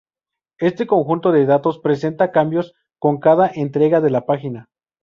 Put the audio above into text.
Este conjunto de datos presenta cambios con cada entrega de la página.